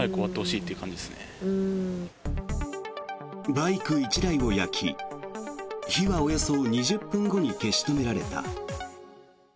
バイク１台を焼き火はおよそ２０分後に消し止められた。